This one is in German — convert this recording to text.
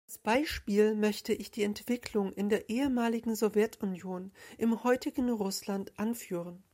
Als Beispiel möchte ich die Entwicklung in der ehemaligen Sowjetunion, im heutigen Russland anführen.